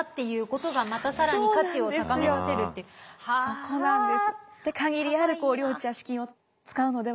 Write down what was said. そこなんです。